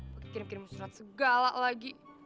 mungkin kirim kirim surat segala lagi